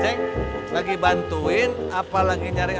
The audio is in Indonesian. cik lagi bantuin apalagi nyari alasan buat batal cik